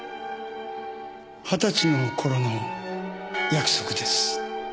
二十歳のころの約束です。